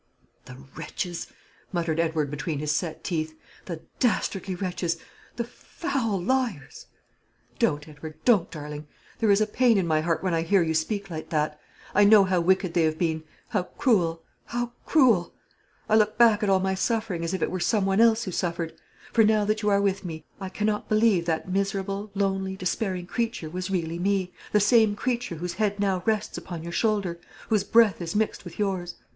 "The wretches!" muttered Edward between his set teeth; "the dastardly wretches! the foul liars!" "Don't, Edward; don't, darling. There is a pain in my heart when I hear you speak like that. I know how wicked they have been; how cruel how cruel. I look back at all my suffering as if it were some one else who suffered; for now that you are with me I cannot believe that miserable, lonely, despairing creature was really me, the same creature whose head now rests upon your shoulder, whose breath is mixed with yours.